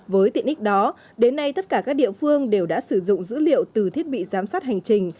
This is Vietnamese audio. với tiện ích đó đến nay tất cả các địa phương đều đã sử dụng dữ liệu từ thiết bị giám sát hành trình